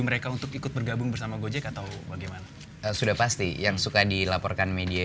mereka untuk ikut bergabung bersama gojek atau bagaimana sudah pasti yang suka dilaporkan media